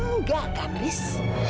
nggak kan riz